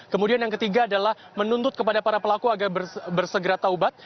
kemudian yang ketiga adalah menuntut kepada para pelaku agar bersegera taubat